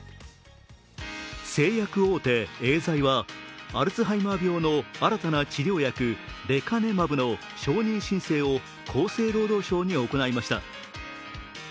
製薬大手・エーザイはアルツハイマー病の新たな治療薬、レカネマブの承認申請を厚生労働省に行いました。